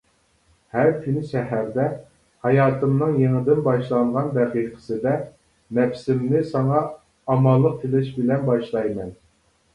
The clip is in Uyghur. ھەر كۈنى سەھەردە، ھاياتىمنىڭ يېڭىدىن باشلانغان دەقىقىسىدە نەپسىمنى ساڭا ئامانلىق تىلەش بىلەن باشلايمەن.